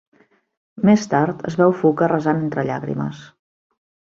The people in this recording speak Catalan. Més tard, es veu Fuka resant entre llàgrimes.